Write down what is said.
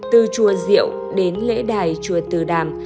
từ chùa diệu đến lễ đài chùa từ đàm